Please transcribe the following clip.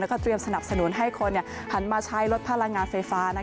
แล้วก็เตรียมสนับสนุนให้คนหันมาใช้ลดพลังงานไฟฟ้า